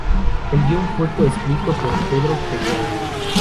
El guión fue coescrito por Pedro Peirano.